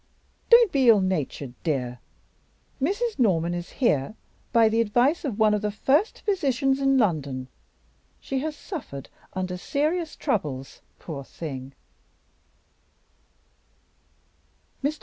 "Don't be ill natured, dear! Mrs. Norman is here by the advice of one of the first physicians in London; she has suffered under serious troubles, poor thing."